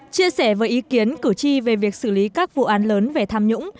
chia sẻ với ý kiến cử tri về việc xử lý các vụ án lớn về tham nhũng